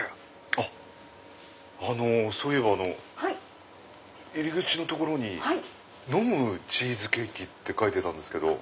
あのそういえば入り口に飲むチーズケーキって書いてたんですけど。